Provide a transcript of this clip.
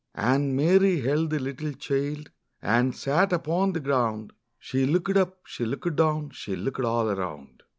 And Mary held the little child And sat upon the ground; She looked up, she looked down, She looked all around.